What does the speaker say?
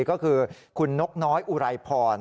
ก็คือคุณนกน้อยอุไรพร